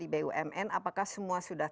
bumn apakah semua sudah